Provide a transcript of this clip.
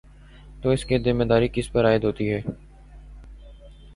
تو اس کی ذمہ داری کس پر عائد ہوتی ہے؟